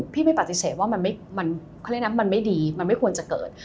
พี่ไม่ปฏิเสธว่ามันไม่ดีมันไม่ควรจะเกิด